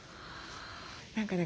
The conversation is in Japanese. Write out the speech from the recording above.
何かね